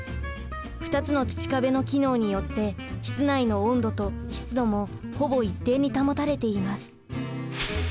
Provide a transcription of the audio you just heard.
２つの土壁の機能によって室内の温度と湿度もほぼ一定に保たれています。